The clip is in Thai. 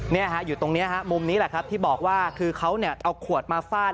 อยู่ตรงนี้ฮะมุมนี้แหละครับที่บอกว่าคือเขาเอาขวดมาฟาด